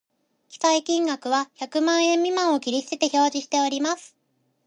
記載金額は百万円未満を切り捨てて表示しております